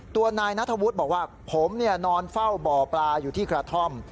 ตัวนายนัทธวุฒิบอกว่าผมนอนเฝ้าบ่อปลาอยู่ที่กระท่อม